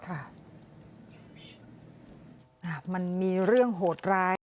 มันมีเรื่องโหดร้าย